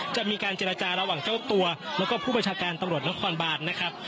จะมีการเจรจาระหว่างเจ้าตัวแล้วก็ผู้ประชาการตำรวจนครบานนะครับ